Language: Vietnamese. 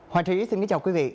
hoàng trí xin kính chào quý vị